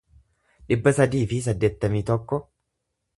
dhibba sadii fi saddeettamii tokko